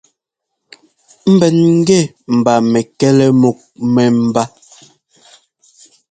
Ḿbɛn ŋ́gɛ mba mɛkɛlɛ múk mɛ́mbá.